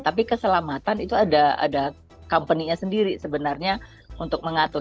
tapi keselamatan itu ada company nya sendiri sebenarnya untuk mengatur